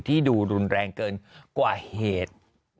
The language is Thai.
ดูรุนแรงเกินกว่าเหตุ